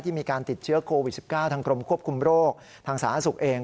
ที่มีการติดเชื้อโควิด๑๙ทางกรมควบคุมโรคทางสถานศึกษ์เอง